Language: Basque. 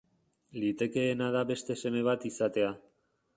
Litekeena da beste seme bat izatea.